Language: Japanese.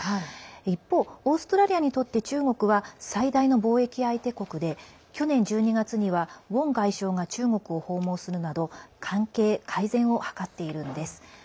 一方、オーストラリアにとって中国は最大の貿易相手国で去年１２月にはウォン外相が中国を訪問するなど改善を図っています。